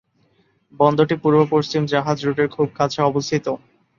বন্দরটি পূর্ব পশ্চিম জাহাজ রুটের খুব কাছে অবস্থিত।